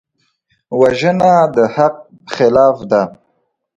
وژنه د حق خلاف ده